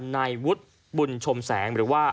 นายวุฒิบุญชมแสงหรือว่า